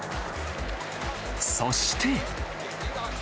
そして。